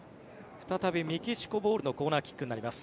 再びメキシコボールのコーナーキックになります。